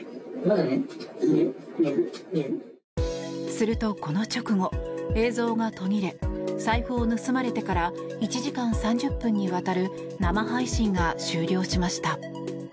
するとこの直後、映像が途切れ財布を盗まれてから１時間３０分にわたる生配信が終了しました。